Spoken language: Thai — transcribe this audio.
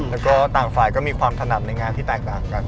แล้วก็ต่างฝ่ายก็มีความถนัดในงานที่แตกต่างกัน